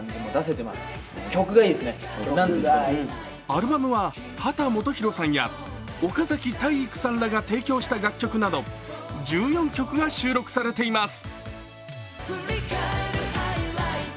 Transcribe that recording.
アルバムは秦基博さんや岡崎体育さんが提供した楽曲など１４曲が収録されています。